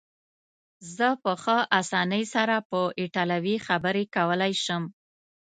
زه په ښه اسانۍ سره په ایټالوي خبرې کولای شم.